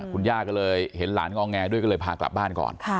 คุณย่าก็เลยเห็นหลานงอแงด้วยก็เลยพากลับบ้านก่อน